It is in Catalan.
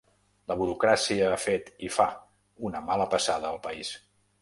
La burocràcia ha fet, i fa, una mala passada al país.